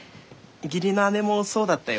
義理の姉もそうだったよ。